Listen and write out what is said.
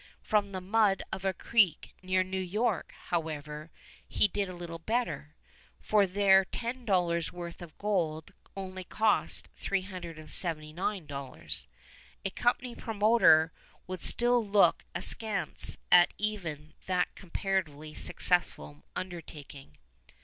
From the mud of a creek near New York, however, he did a little better, for there ten dollars' worth of gold only cost 379 dollars. A company promoter would still look askance at even that comparatively successful undertaking.